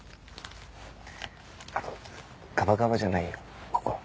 あとガバガバじゃないよこころ。